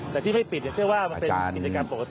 แต่ที่ไม่ปิดเชื่อว่ามันเป็นกิจกรรมปกติ